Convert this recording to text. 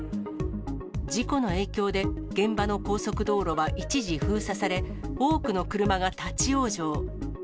事故の影響で、現場の高速道路は一時封鎖され、多くの車が立往生。